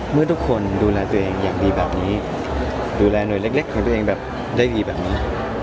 เมื่อทุกคนดูแลตัวเองอย่างดีแบบนี้ดูแลหน่วยเล็กของตัวเองแบบได้ดีแบบนี้